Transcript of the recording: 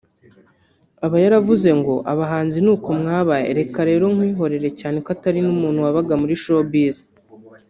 aba yaravuze ngo abahanzi niko mwabaye reka rero nkwihorere cyane ko Atari n’umuntu wabaga muri Showbiz